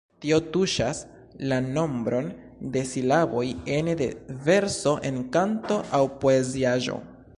Tio tuŝas la nombron de silaboj ene de verso en kanto aŭ poeziaĵo.